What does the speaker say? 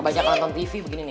banyak nonton tv begini nih